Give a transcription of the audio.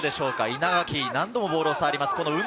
稲垣、何度もボールを触ります。